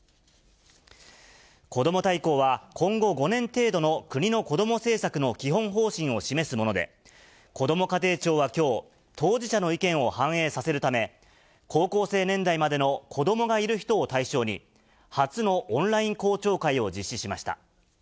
こども大綱は、今後５年程度の国の子ども政策の基本方針を示すもので、こども家庭庁はきょう、当事者の意見を反映させるため、高校生年代までの子どもがいる人を対象に、初のオンライン公聴会を実施しました。